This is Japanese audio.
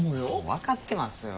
分かってますよ。